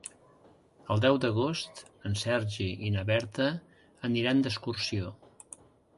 El deu d'agost en Sergi i na Berta aniran d'excursió.